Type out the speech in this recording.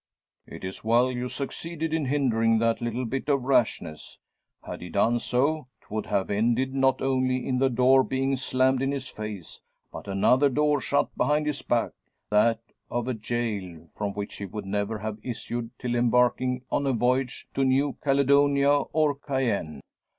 "It's well you succeeded in hindering that little bit of rashness. Had he done so, 'twould have ended not only in the door being slammed in his face, but another door shut behind his back that of a gaol; from which he would never have issued till embarking on a voyage to New Caledonia or Cayenne.